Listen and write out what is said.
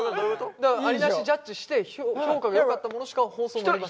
だからアリ・ナシジャッジして評価がよかったものしか放送にのりません。